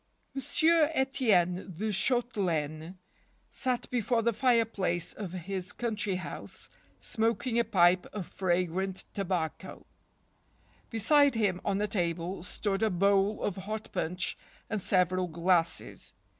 Monsieur Etienne de Shautelaine sat before the fire place of his country house, smoking a pipe of fragrant tobacco. Beside him, on a table, stood a bowl of hot punch and several glasses.